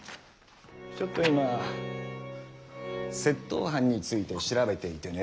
ちょっと今窃盗犯について調べていてね。